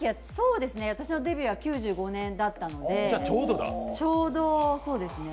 私のデビューは９５年だったので、ちょうど、そうですね。